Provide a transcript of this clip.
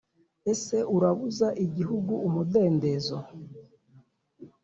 Ese urabuza igihugu umudendezo,